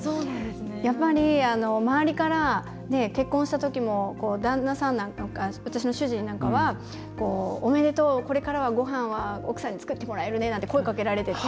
やっぱり周りから結婚したときも私の主人なんかは「おめでとう、これからはごはんは奥さんに作ってもらえるね」なんて声かけられていて。